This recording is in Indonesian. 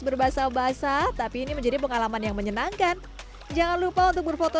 berbahasa basah tapi ini menjadi pengalaman yang menyenangkan jangan lupa untuk berfoto